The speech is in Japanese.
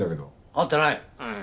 会ってない。